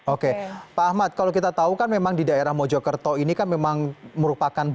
oke pak ahmad kalau kita tahu kan memang di daerah mojokerto ini kan memang merupakan